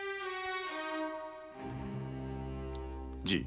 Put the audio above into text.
じい。